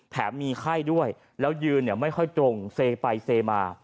มีไข้ด้วยแล้วยืนไม่ค่อยตรงเซไปเซมา